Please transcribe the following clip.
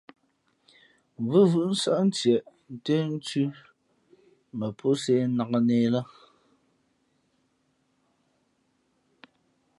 Vʉvʉ́ʼ nsάʼ ntieʼ ntə́nthʉ́ mα pō sē nnāk nehē lά.